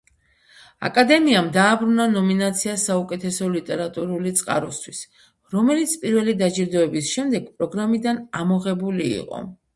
აკადემიამ დააბრუნა ნომინაცია საუკეთესო ლიტერატურული წყაროსთვის, რომელიც პირველი დაჯილდოების შემდეგ პროგრამიდან ამოღებული იყო.